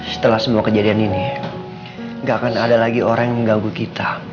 setelah semua kejadian ini gak akan ada lagi orang yang mengganggu kita